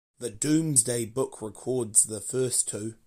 The Domesday Book records the first two.